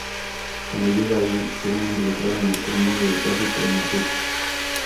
Cuando llega allí se ve involucrado en el oscuro mundo del trafico de marfil.